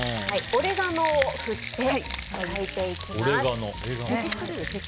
オレガノを振って焼いていきます。